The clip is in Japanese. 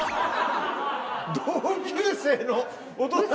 同級生のお父さんが。